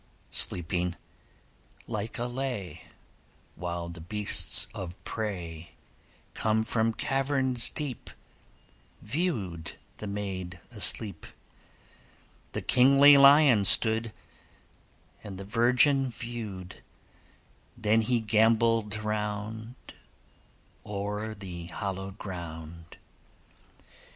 Sleeping Lyca lay, While the beasts of prey, Come from caverns deep, Viewed the maid asleep. The kingly lion stood, And the virgin viewed: Then he gambolled round O'er the hallowed ground.